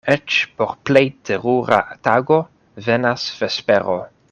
Eĉ por plej terura tago venas vespero.